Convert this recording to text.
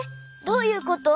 どういうこと？